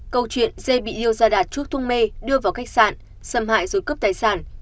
câu chuyện dê bị yêu ra đạt chuốc thung mê đưa vào khách sạn xâm hại rồi cướp tài sản